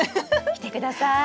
来てください。